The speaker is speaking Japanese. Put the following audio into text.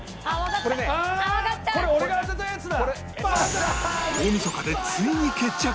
これ俺が当てたやつだ！